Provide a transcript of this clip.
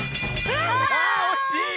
あおしい！